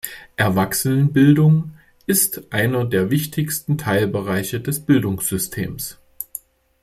Erwachsenenbildung ist einer der wichtigsten Teilbereiche des Bildungssystems.